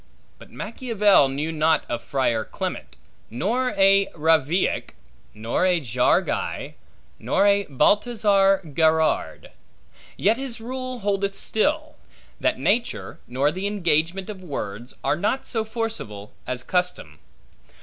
But Machiavel knew not of a Friar Clement, nor a Ravillac, nor a Jaureguy, nor a Baltazar Gerard; yet his rule holdeth still, that nature, nor the engagement of words, are not so forcible, as custom.